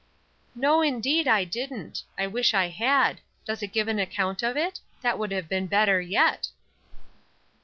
"No, indeed, I didn't. I wish I had. Does it give an account of it? That would have been better yet."